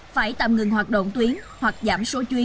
phải tạm ngừng hoạt động tuyến hoặc giảm số chuyến